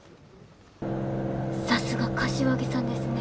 さすが柏木さんですね